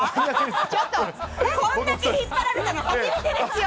こんだけ引っ張られたの初めてですよ。